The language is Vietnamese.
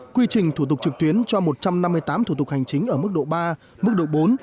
quy trình thủ tục trực tuyến cho một trăm năm mươi tám thủ tục hành chính ở mức độ ba mức độ bốn